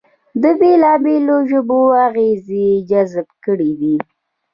د بېلابېلو ژبو اغېزې جذب کړې دي